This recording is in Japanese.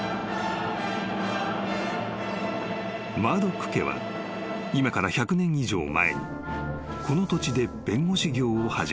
［マードック家は今から１００年以上前にこの土地で弁護士業を始めた］